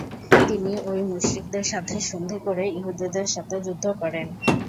তিনি ঐ মুশরিকদের সাথে সন্ধি করে ইহুদীদের সাথে যুদ্ধ করেন।